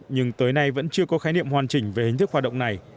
nhưng tới nay vẫn chưa có khái niệm hoàn chỉnh về hình thức hoạt động này